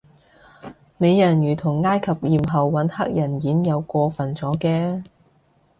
美人魚同埃及妖后搵黑人演又過份咗嘅